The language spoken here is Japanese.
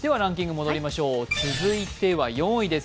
続いては４位です。